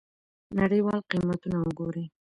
نړیوال قیمتونه وګورئ.